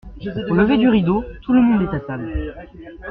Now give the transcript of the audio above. Au lever du rideau, tout le monde est à table.